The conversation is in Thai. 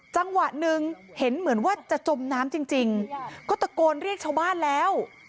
จังหวะหนึ่งเห็นเหมือนว่าจะจมน้ำจริงก็ตะโกนเรียกชาวบ้านแล้ว